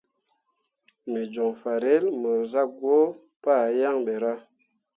Me joŋ farel mor zah gwǝǝ pah yaŋ ɓe ra.